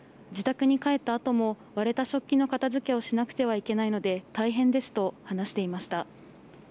自宅に帰ったあとも割れた食器の片づけをしなくてはいけないので大変ですと話していました。